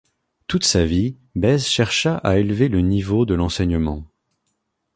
Toute sa vie, Bèze chercha à élever le niveau de l’enseignement.